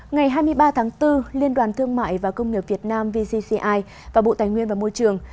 ngày hai mươi ba tháng bốn liên đoàn thương mại và công nghiệp việt nam vcci và bộ tài nguyên và môi trường